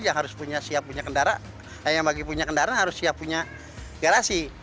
yang harus siap punya kendaraan harus siap punya garasi